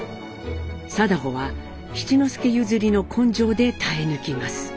禎穗は七之助ゆずりの根性で耐え抜きます。